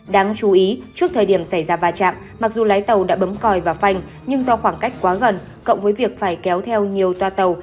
đáng chú ý trước thời điểm xảy ra va chạm mặc dù lái tàu đã bấm còi và phanh nhưng do khoảng cách quá gần cộng với việc phải kéo theo nhiều toa tàu